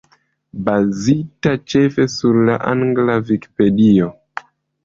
Bazita ĉefe sur la angla Vikipedio.